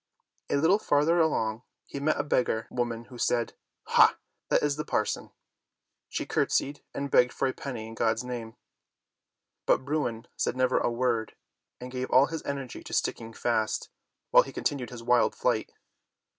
A little farther along he met a beggar woman, who said, "Ha! that is the parson." She courtesied and begged for a penny in God's name. But Bruin said never a word and gave all his energy to sticking fast, while he continued his wild flight.